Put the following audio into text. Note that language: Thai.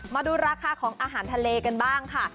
มาดูราคาของอาหารทะเลกันบ้างค่ะ